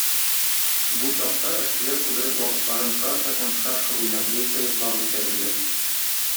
Бу чакта эшчеләр күбрәк вакытларын карта һәм шашка уйнап яисә йоклап үткәрделәр.